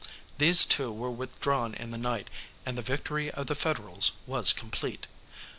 These too were withdrawn in the night, and the victory of the Federals was complete.